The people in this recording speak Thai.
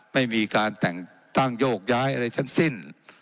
ไม่มีการแต่งตั้งโยกย้ายอะไรทั้งสิ้น